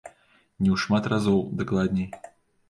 Не ў шмат разоў, дакладней.